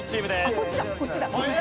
あっこっちだこっちだ。